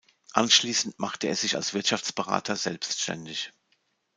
Anschließend machte er sich als Wirtschaftsberater selbständig.